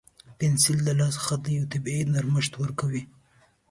پنسل د لاس خط ته یو طبیعي نرمښت ورکوي.